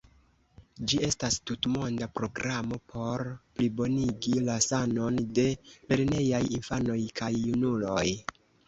Ĝi estas tutmonda programo por plibonigi la sanon de lernejaj infanoj kaj junuloj.